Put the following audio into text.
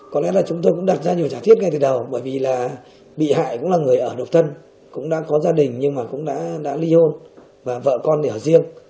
có lẽ là chúng tôi cũng đặt ra nhiều trả thiết ngay từ đầu bởi vì là bị hại cũng là người ở độc thân cũng đã có gia đình nhưng mà cũng đã ly hôn và vợ con thì ở riêng